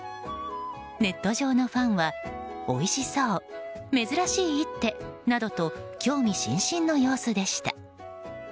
ネット上のファンはおいしそう、珍しい一手などと興味津々の様子でした。